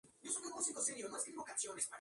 Rowling y Harry Potter.